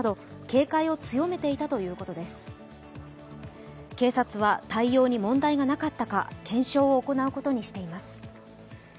警察は対応に問題がなかったか、検証を行うことにしています。